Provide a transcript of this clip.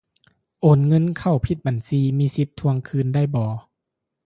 ໂອນເງິນເຂົ້າຜິດບັນຊີ ມີສິດທວງເງິນຄືນໄດ້ບໍ່?